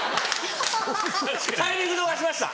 タイミング逃しました。